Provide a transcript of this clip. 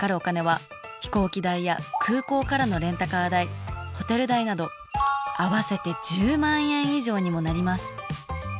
飛行機代や空港からのレンタカー代ホテル代など合わせて１０万円以上にもなります。